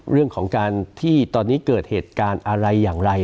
เรื่องของการที่ตอนนี้เกิดเหตุการณ์อะไรอย่างไร